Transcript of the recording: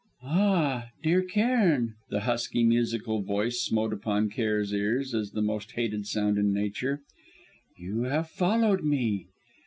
"Ah, dear Cairn " the husky musical voice smote upon Cairn's ears as the most hated sound in nature "you have followed me.